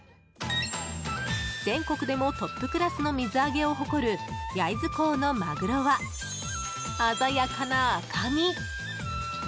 全国でもトップクラスの水揚げを誇る焼津港のマグロは鮮やかな赤身。